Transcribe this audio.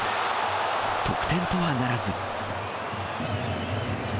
得点とはならず。